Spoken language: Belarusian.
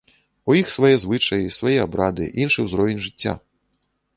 У іх свае звычаі, свае абрады, іншы ўзровень жыцця.